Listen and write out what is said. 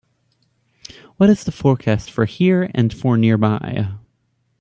what is the forecast for here and for nearby